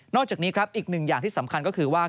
จากนี้ครับอีกหนึ่งอย่างที่สำคัญก็คือว่า